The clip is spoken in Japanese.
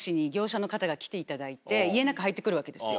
家の中入ってくるわけですよ